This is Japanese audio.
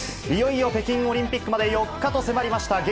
いよいよ北京オリンピックまで４日と迫りました。